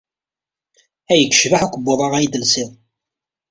Ay yecbeḥ ukebbuḍ-a ay d-telsiḍ.